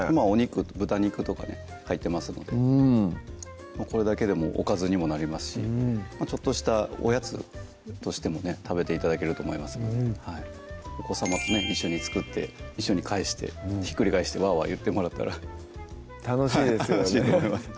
豚肉とかね入ってますのでうんこれだけでもおかずにもなりますしちょっとしたおやつとしてもね食べて頂けると思いますのでお子さまとね一緒に作って一緒に返してひっくり返してワーワー言ってもらったら楽しいですよね楽しいと思います